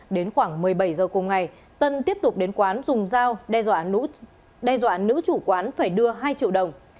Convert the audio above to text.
đến khoảng một mươi bảy giờ cùng ngày tân tiếp tục đến quán dùng dao đe dọa nữ chủ quán phải đưa hai triệu đồng